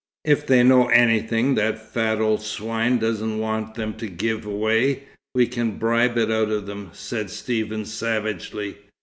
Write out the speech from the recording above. "If they know anything that fat old swine doesn't want them to give away, we can bribe it out of them," said Stephen, savagely.